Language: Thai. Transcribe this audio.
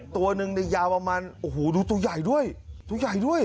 ตัวหนึ่งในยาวประมาณโอ้โหดูตัวใหญ่ด้วยตัวใหญ่ด้วย